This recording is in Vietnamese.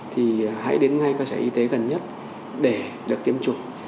thì hãy đến ngay các trại y tế gần nhất để được tiêm chủng